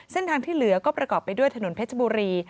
เส้นทางที่เหลือก็ประกอบไปด้วยถนนเพชรบุรี